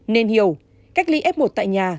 nên hiểu cách ly f một tại nhà